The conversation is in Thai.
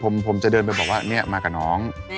ผมจะเดินไปบอกว่าเนี่ยมากับน้อง